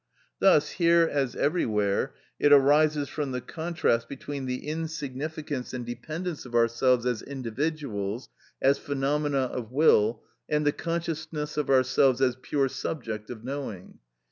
Thus here as everywhere it arises from the contrast between the insignificance and dependence of ourselves as individuals, as phenomena of will, and the consciousness of ourselves as pure subject of knowing.